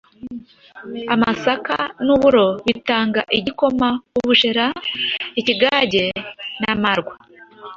amasaka n’uburo bitanga igikoma, ubushera, ikigage n’amarwa.